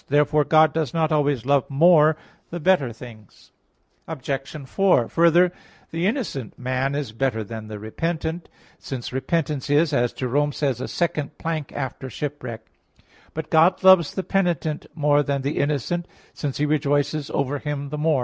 Therefore God does not always love more the better things. Obj. 4: Further, the innocent man is better than the repentant, since repentance is, as Jerome says (Cap. 3 in Isa.), "a second plank after shipwreck." But God loves the penitent more than the innocent; since He rejoices over him the more.